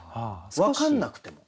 分かんなくても。